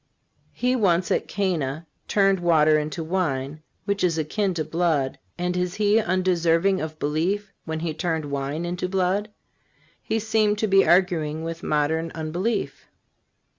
He once at Cana turned water into wine, which is akin to blood; and is He undeserving of belief when He turned wine into blood?" He seems to be arguing with modern unbelief.